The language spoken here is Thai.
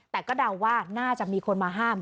แต่ก็เดาว่าน่าจะมีคนมาห้าม